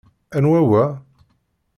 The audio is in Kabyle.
Anwa wa?